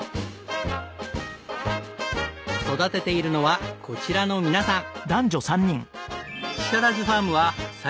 育てているのはこちらの皆さん。